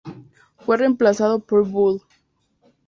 Fue reemplazado por "Bull.